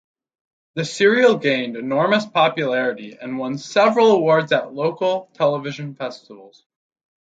The serial gained enormous popularity and won several awards at local television festivals.